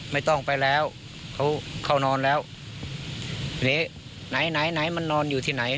ไม่ต้องไปแล้วเขาเข้านอนแล้วไหนไหนมันนอนอยู่ที่ไหน